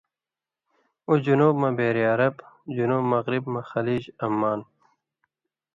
اُو جُنوب مہ بحریہ عرب ، جُنوب مغرب مہ خلیج عمان ،